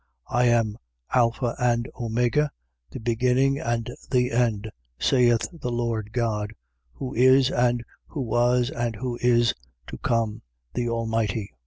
1:8. I am Alpha and Omega, the beginning and the end, saith the Lord God, who is and who was and who is to come, the Almighty.